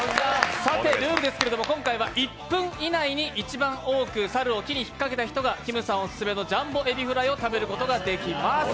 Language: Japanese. さて、ルールですけれども、今回は１分以内に一番多く猿を木にひっかけた人がきむさんオススメのジャンボ海老フライを食べることができます。